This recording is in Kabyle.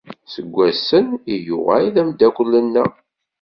Seg wassen i yuɣal d ameddakel nneɣ.